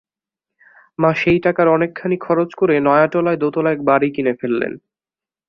মা সেই টাকার অনেকখানি খরচ করে নয়াটোলায় দোতলা এক বাড়ি কিনে ফেললেন।